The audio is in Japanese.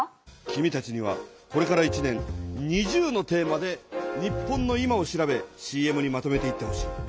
君たちにはこれから１年２０のテーマで日本の今を調べＣＭにまとめていってほしい。